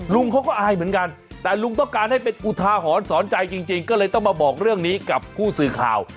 ลุงเขาก็อายเหมือนกันแต่ลุงต้องการให้เป็นอุทาหรณ์สอนใจจริงก็เลยต้องมาบอกเรื่องนี้กับผู้สื่อข่าว